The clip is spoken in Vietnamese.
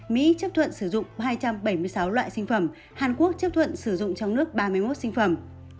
mỹ chấp thuận sử dụng hai trăm bảy mươi sáu loại sinh phẩm hàn quốc chấp thuận sử dụng trong nước ba mươi một sinh phẩm